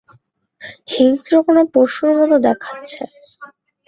হিংস্র কোনো পশুর মতো দেখাচ্ছে।